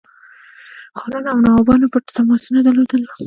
خانانو او نوابانو پټ تماسونه درلودل.